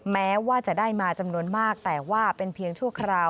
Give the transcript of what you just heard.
แม้ว่าจะได้มาจำนวนมากแต่ว่าเป็นเพียงชั่วคราว